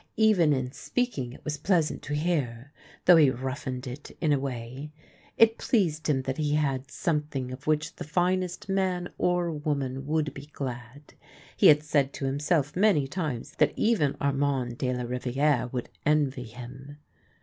Even in speaking it was pleasant to hear, though he roughened it in a way. It pleased him that he had something of which the finest man or woman would be glad. He had said to himself many times that even Armand de la Riviere would envy him.